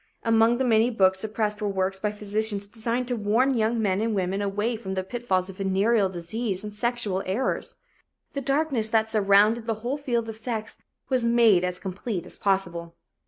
Among the many books suppressed were works by physicians designed to warn young men and women away from the pitfalls of venereal diseases and sexual errors. The darkness that surrounded the whole field of sex was made as complete as possible.